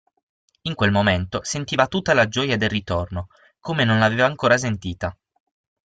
In quel momento, sentiva tutta la gioia del ritorno, come non l'aveva ancora sentita.